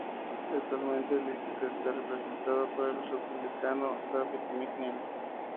Actualmente el distrito está representado por el Republicano David McKinley.